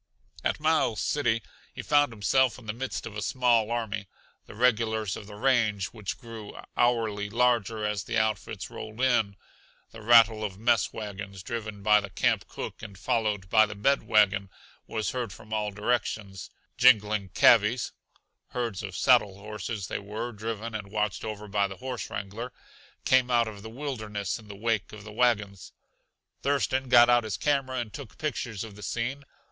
At Miles City he found himself in the midst of a small army, the regulars of the range which grew hourly larger as the outfits rolled in. The rattle of mess wagons, driven by the camp cook and followed by the bed wagon, was heard from all directions. Jingling cavvies (herds of saddle horses they were, driven and watched over by the horse wrangler) came out of the wilderness in the wake of the wagons. Thurston got out his camera and took pictures of the scene.